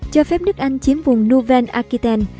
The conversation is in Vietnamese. cho phép nước anh chiếm vùng nouvelle arquitaine